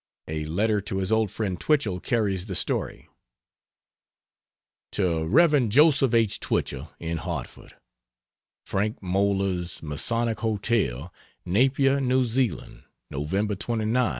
A letter to his old friend Twichell carries the story. To Rev. Jos. H. Twichell, in Hartford: FRANK MOELLER'S MASONIC HOTEL, NAPIER, NEW ZEALAND, November 29, '95.